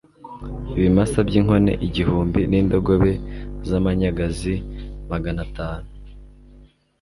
ibimasa by'inkone igihumbi, n'indogobe z'amanyagazi magana atanu